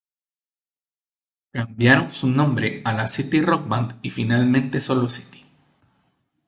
Cambiaron su nombre a la City Rock Band y finalmente sólo City.